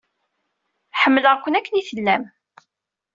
Ḥemmleɣ-ken akken i tellam.